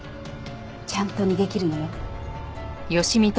ちゃんと逃げ切るのよ。